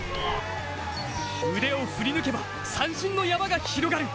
腕を振り抜けば三振の山が広がる。